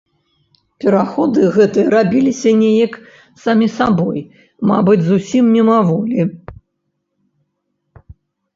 Пераходы гэтыя рабіліся неяк самі сабой, мабыць, зусім мімаволі.